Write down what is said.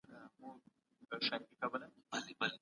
اوسنی حالت له راتلونکي سره هم باید وتړل سي.